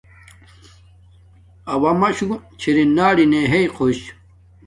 اوݳ مَشُݸ چھݵرَنݳ رَنِنݺ ہݵئ خݸش.